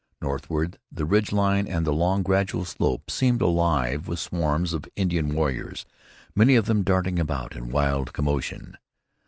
Northward the ridge line and the long, gradual slope seemed alive with swarms of Indian warriors, many of them darting about in wild commotion.